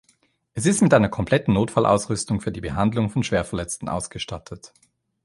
Es ist mit einer kompletten Notfall-Ausrüstung für die Behandlung von Schwerverletzten ausgestattet.